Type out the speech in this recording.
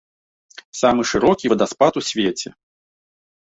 Самы шырокі вадаспад у свеце.